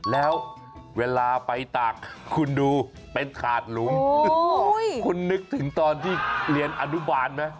แล้วเวลาไปตากคุณดูเป็นถาดหลุมคุณนึกถึงตอนที่เรียนอนุบาลไหม